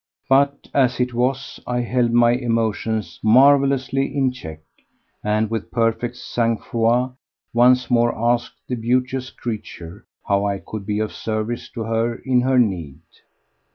But, as it was, I held my emotions marvellously in check, and with perfect sang froid once more asked the beauteous creature how I could be of service to her in her need.